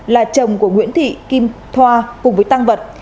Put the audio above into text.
là chồng của nguyễn thị kim thoa cùng với tăng vật